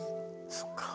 そっか。